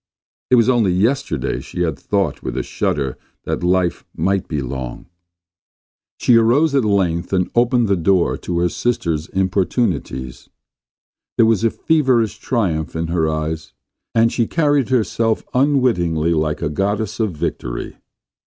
It was only yesterday she had thought with a shudder that life might be long. She arose at length and opened the door to her sister's importunities. There was a feverish triumph in her eyes, and she carried herself unwittingly like a goddess of Victory.